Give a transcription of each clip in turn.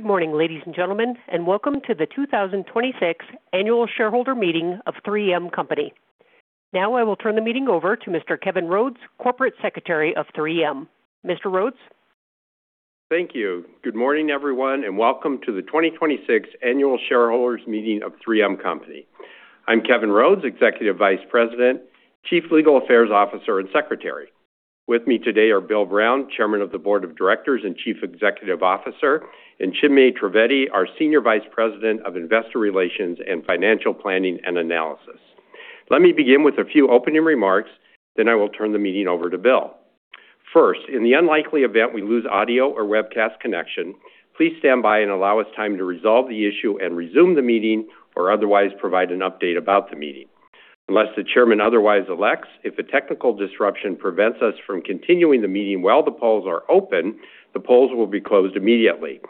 Good morning, ladies and gentlemen, welcome to the 2026 Annual Shareholder Meeting of 3M Company. Now I will turn the meeting over to Mr. Kevin Rhodes, Corporate Secretary of 3M. Mr. Rhodes. Thank you. Good morning, everyone, and welcome to the 2026 Annual Shareholders Meeting of 3M Company. I'm Kevin Rhodes, Executive Vice President, Chief Legal Affairs Officer, and Secretary. With me today are Bill Brown, Chairman of the Board of Directors and Chief Executive Officer, and Chinmay Trivedi, our Senior Vice President of Investor Relations and Financial Planning and Analysis. Let me begin with a few opening remarks, then I will turn the meeting over to Bill. First, in the unlikely event we lose audio or webcast connection, please stand by and allow us time to resolve the issue and resume the meeting or otherwise provide an update about the meeting. Unless the chairman otherwise elects, if a technical disruption prevents us from continuing the meeting while the polls are open, the polls will be closed immediately.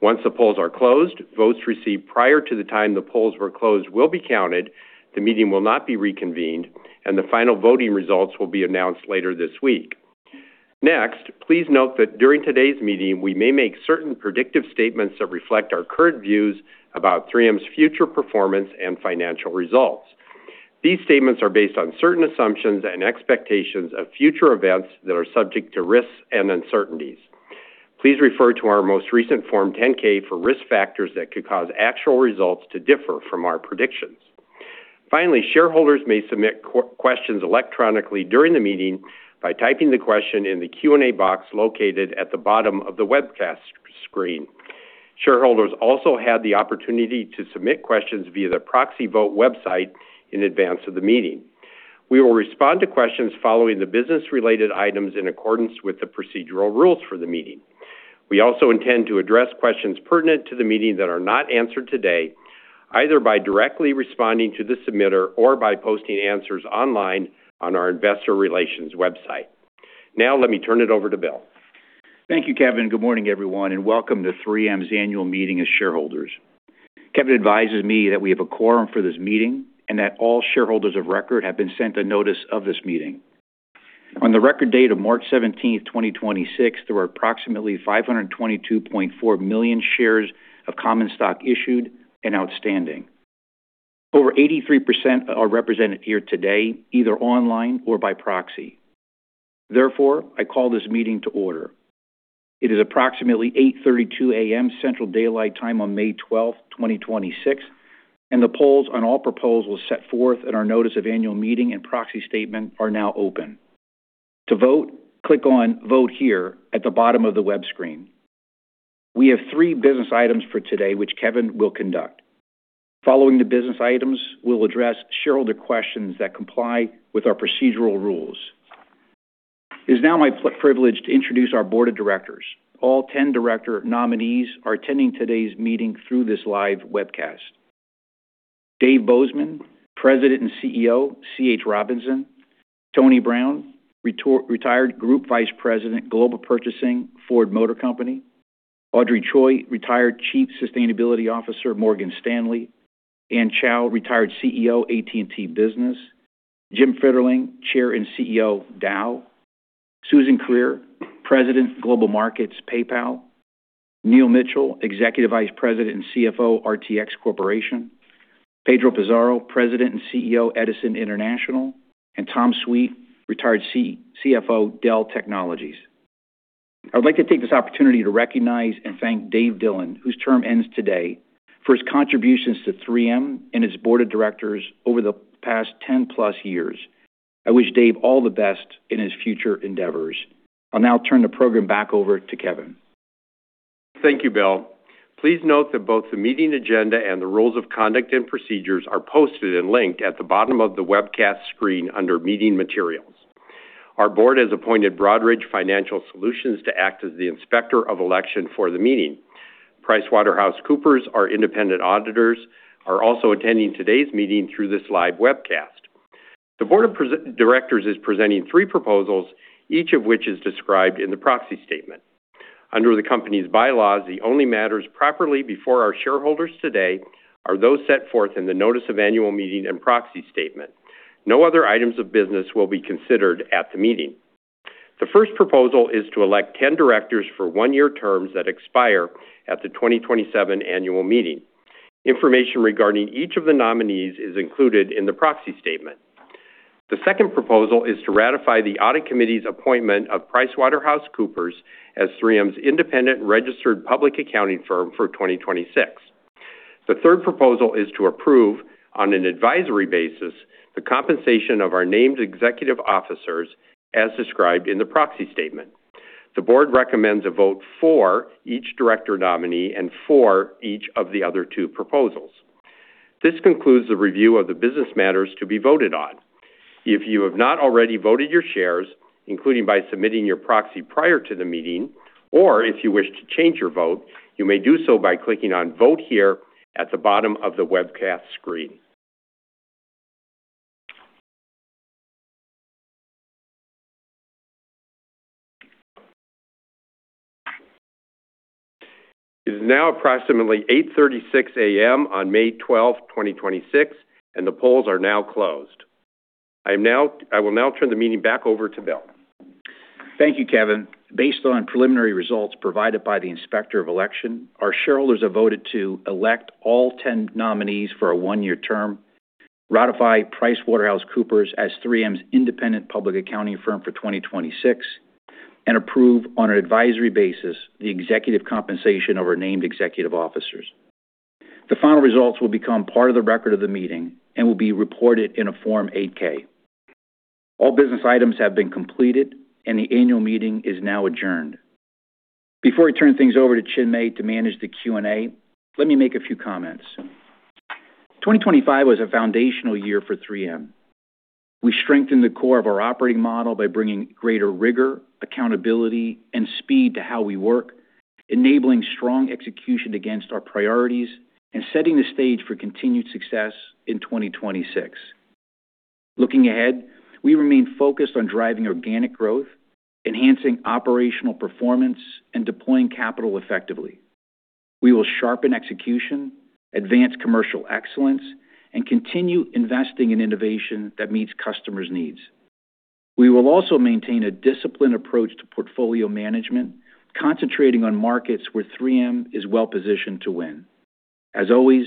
Once the polls are closed, votes received prior to the time the polls were closed will be counted, the meeting will not be reconvened, and the final voting results will be announced later this week. Next, please note that during today's meeting, we may make certain predictive statements that reflect our current views about 3M's future performance and financial results. These statements are based on certain assumptions and expectations of future events that are subject to risks and uncertainties. Please refer to our most recent Form 10-K for risk factors that could cause actual results to differ from our predictions. Finally, shareholders may submit questions electronically during the meeting by typing the question in the Q&A box located at the bottom of the webcast screen. Shareholders also had the opportunity to submit questions via the proxy vote website in advance of the meeting. We will respond to questions following the business-related items in accordance with the procedural rules for the meeting. We also intend to address questions pertinent to the meeting that are not answered today, either by directly responding to the submitter or by posting answers online on our investor relations website. Let me turn it over to Bill. Thank you, Kevin. Good morning, everyone, and welcome to 3M's annual meeting of shareholders. Kevin advises me that we have a quorum for this meeting and that all shareholders of record have been sent a notice of this meeting. On the record date of March 17, 2026, there were approximately 522.4 million shares of common stock issued and outstanding. Over 83% are represented here today, either online or by proxy. Therefore, I call this meeting to order. It is approximately 8:32 A.M. Central Daylight Time on May 12, 2026, and the polls on all proposals set forth in our Notice of Annual Meeting and Proxy Statement are now open. To vote, click on Vote Here at the bottom of the web screen. We have 3 business items for today, which Kevin will conduct. Following the business items, we'll address shareholder questions that comply with our procedural rules. It is now my privilege to introduce our board of directors. All 10 director nominees are attending today's meeting through this live webcast. Dave Bozeman, President and CEO, C.H. Robinson. Tony Brown, Retired Group Vice President, Global Purchasing, Ford Motor Company. Audrey Choi, Retired Chief Sustainability Officer, Morgan Stanley. Anne Chow, Retired CEO, AT&T Business. Jim Fitterling, Chair and CEO, Dow. Suzan Kereere, President, Global Markets, PayPal. Neil Mitchill, Executive Vice President and CFO, RTX Corporation. Pedro Pizarro, President and CEO, Edison International. Tom Sweet, Retired CFO, Dell Technologies. I would like to take this opportunity to recognize and thank Dave Dillon, whose term ends today, for his contributions to 3M and its board of directors over the past 10-plus years. I wish Dave all the best in his future endeavors. I'll now turn the program back over to Kevin. Thank you, Bill. Please note that both the meeting agenda and the rules of conduct and procedures are posted and linked at the bottom of the webcast screen under Meeting Materials. Our board has appointed Broadridge Financial Solutions to act as the inspector of election for the meeting. PricewaterhouseCoopers, our independent auditors, are also attending today's meeting through this live webcast. The board of directors is presenting three proposals, each of which is described in the proxy statement. Under the company's bylaws, the only matters properly before our shareholders today are those set forth in the Notice of Annual Meeting and Proxy Statement. No other items of business will be considered at the meeting. The first proposal is to elect 10 directors for one-year terms that expire at the 2027 annual meeting. Information regarding each of the nominees is included in the proxy statement. The second proposal is to ratify the audit committee's appointment of PricewaterhouseCoopers as 3M's independent registered public accounting firm for 2026. The third proposal is to approve, on an advisory basis, the compensation of our named executive officers as described in the proxy statement. The board recommends a vote for each director nominee and for each of the other two proposals. This concludes the review of the business matters to be voted on. If you have not already voted your shares, including by submitting your proxy prior to the meeting, or if you wish to change your vote, you may do so by clicking on Vote Here at the bottom of the webcast screen. It is now approximately 8:36 A.M. on May 12th, 2026, and the polls are now closed. I will now turn the meeting back over to Bill. Thank you, Kevin. Based on preliminary results provided by the Inspector of Election, our shareholders have voted to elect all 10 nominees for a one-year term, ratify PricewaterhouseCoopers as 3M's independent public accounting firm for 2026, and approve on an advisory basis the executive compensation of our named executive officers. The final results will become part of the record of the meeting and will be reported in a Form 8-K. All business items have been completed, and the annual meeting is now adjourned. Before I turn things over to Chinmay to manage the Q&A, let me make a few comments. 2025 was a foundational year for 3M. We strengthened the core of our operating model by bringing greater rigor, accountability, and speed to how we work, enabling strong execution against our priorities and setting the stage for continued success in 2026. Looking ahead, we remain focused on driving organic growth, enhancing operational performance, and deploying capital effectively. We will sharpen execution, advance commercial excellence, and continue investing in innovation that meets customers' needs. We will also maintain a disciplined approach to portfolio management, concentrating on markets where 3M is well-positioned to win. As always,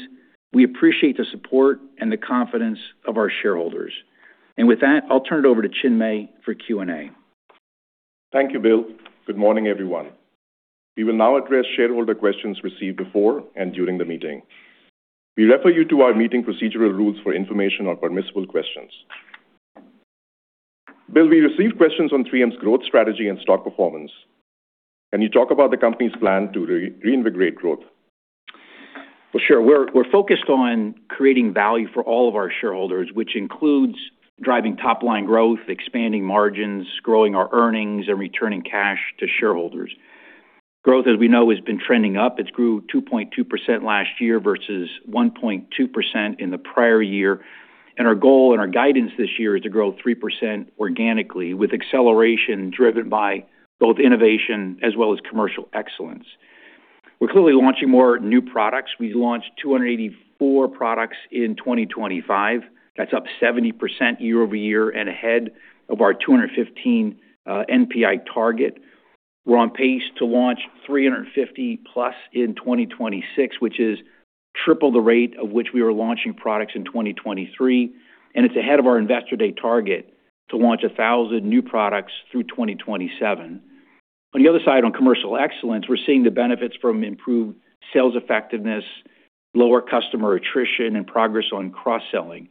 we appreciate the support and the confidence of our shareholders. With that, I'll turn it over to Chinmay for Q&A. Thank you, Bill. Good morning, everyone. We will now address shareholder questions received before and during the meeting. We refer you to our meeting procedural rules for information on permissible questions. Bill, we received questions on 3M's growth strategy and stock performance. Can you talk about the company's plan to reinvigorate growth? Well, sure. We're focused on creating value for all of our shareholders, which includes driving top-line growth, expanding margins, growing our earnings, and returning cash to shareholders. Growth, as we know, has been trending up. It grew 2.2% last year versus 1.2% in the prior year. Our goal and our guidance this year is to grow 3% organically with acceleration driven by both innovation as well as commercial excellence. We're clearly launching more new products. We launched 284 products in 2025. That's up 70% year-over-year and ahead of our 215 NPI target. We're on pace to launch 350+ in 2026, which is triple the rate of which we were launching products in 2023. It's ahead of our Investor Day target to launch 1,000 new products through 2027. On the other side, on commercial excellence, we're seeing the benefits from improved sales effectiveness, lower customer attrition, and progress on cross-selling.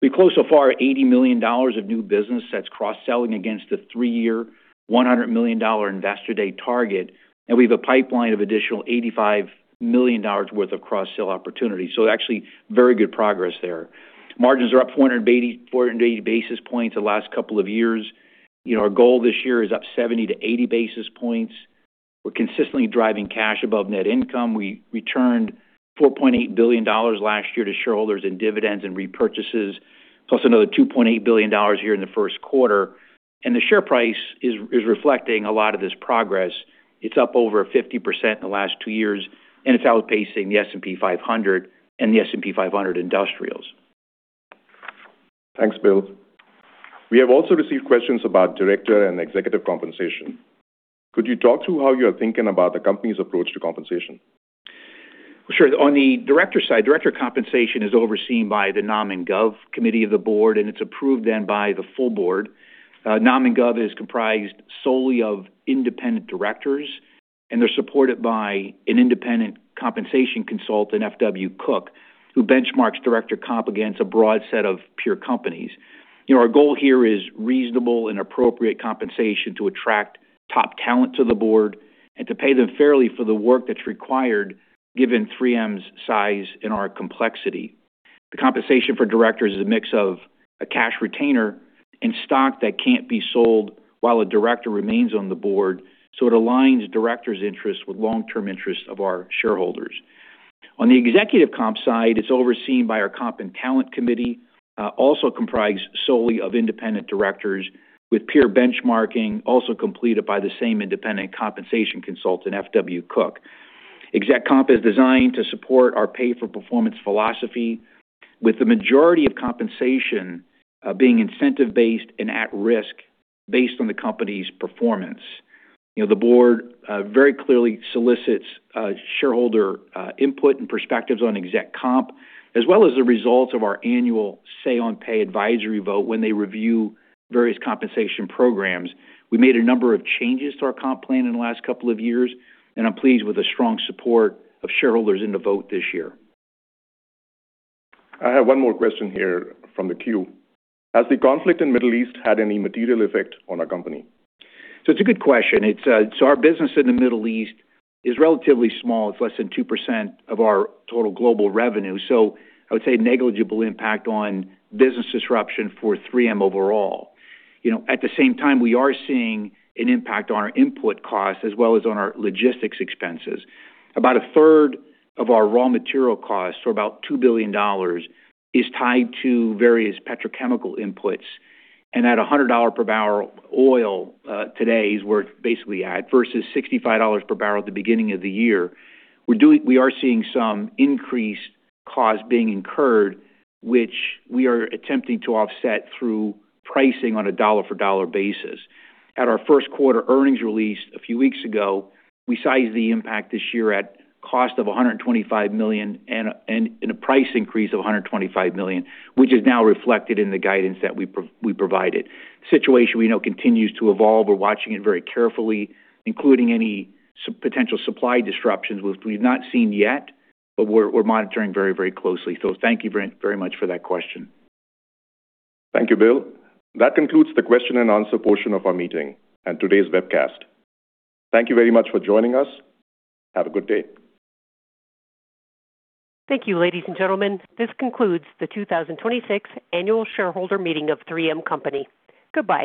We closed so far $80 million of new business that's cross-selling against the three-year $100 million Investor Day target. We have a pipeline of additional $85 million worth of cross-sell opportunities. Actually, very good progress there. Margins are up 480 basis points the last couple of years. You know, our goal this year is up 70 to 80 basis points. We're consistently driving cash above net income. We returned $4.8 billion last year to shareholders in dividends and repurchases, plus another $2.8 billion here in the first quarter. The share price is reflecting a lot of this progress. It's up over 50% in the last two years, and it's outpacing the S&P 500 and the S&P 500 Industrials. Thanks, Bill. We have also received questions about director and executive compensation. Could you talk through how you are thinking about the company's approach to compensation? Sure. On the director side, director compensation is overseen by the Nom and Gov Committee of the board, and it's approved by the full board. Nom and Gov is comprised solely of independent directors, and they're supported by an independent compensation consultant, FW Cook, who benchmarks director comp against a broad set of peer companies. You know, our goal here is reasonable and appropriate compensation to attract top talent to the board and to pay them fairly for the work that's required given 3M's size and our complexity. The compensation for directors is a mix of a cash retainer and stock that can't be sold while a director remains on the board, it aligns directors' interests with long-term interests of our shareholders. On the executive comp side, it's overseen by our Comp and Talent Committee, also comprised solely of independent directors with peer benchmarking also completed by the same independent compensation consultant, FW Cook. Exec comp is designed to support our pay-for-performance philosophy, with the majority of compensation being incentive-based and at risk based on the company's performance. You know, the board very clearly solicits shareholder input and perspectives on exec comp, as well as the results of our annual say-on-pay advisory vote when they review various compensation programs. We made a number of changes to our comp plan in the last couple of years, and I'm pleased with the strong support of shareholders in the vote this year. I have one more question here from the queue. Has the conflict in Middle East had any material effect on our company? It's a good question. It's, so our business in the Middle East is relatively small. It's less than 2% of our total global revenue, so I would say negligible impact on business disruption for 3M overall. You know, at the same time, we are seeing an impact on our input costs as well as on our logistics expenses. About a third of our raw material costs, so about $2 billion, is tied to various petrochemical inputs. At a $100 per barrel oil, today is where it's basically at, versus $65 per barrel at the beginning of the year, we are seeing some increased costs being incurred, which we are attempting to offset through pricing on a dollar-for-dollar basis. At our first quarter earnings release a few weeks ago, we sized the impact this year at cost of $125 million and a price increase of $125 million, which is now reflected in the guidance that we provided. Situation we know continues to evolve. We're watching it very carefully, including any potential supply disruptions which we've not seen yet, but we're monitoring very closely. Thank you very much for that question. Thank you, Bill. That concludes the question and answer portion of our meeting and today's webcast. Thank you very much for joining us. Have a good day. Thank you, ladies and gentlemen. This concludes the 2026 annual shareholder meeting of 3M Company. Goodbye.